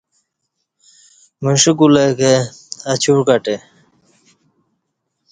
مݜہ کولہ کں اچوع کٹہ